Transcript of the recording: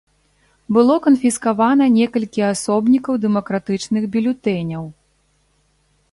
Было канфіскавана некалькі асобнікаў дэмакратычных бюлетэняў.